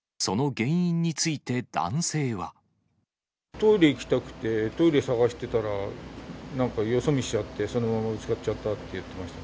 トイレ行きたくて、トイレ探してたら、なんかよそ見しちゃって、そのままぶつかっちゃったって言ってました。